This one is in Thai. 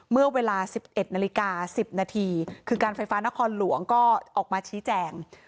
เมื่อเวลา๑๑นาฬิกา๑๐นาทีคือการไฟฟ้านครหลวงก็ออกมาชี้แจง